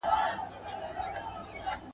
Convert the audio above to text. د ټولنې د موخو ارزونه د پرمختګ لامل کیږي.